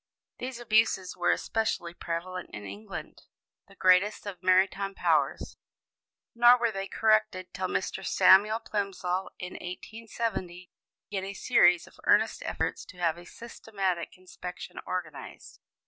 These abuses were especially prevalent in England, the greatest of maritime powers; nor were they corrected till Mr. Samuel Plimsoll, in 1870, began a series of earnest efforts to have a systematic inspection organized.